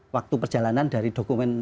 waktu perjalanan dari dokumen